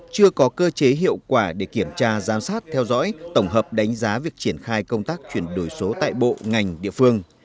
chưa có cơ chế hiệu quả để kiểm tra giám sát theo dõi tổng hợp đánh giá việc triển khai công tác chuyển đổi số tại bộ ngành địa phương